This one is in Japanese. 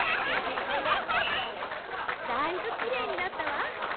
だいぶきれいになったわ。